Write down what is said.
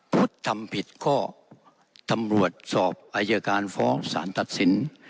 ทำผิดก็ตำรวจสอบอายการฟ้องสารตัดสิน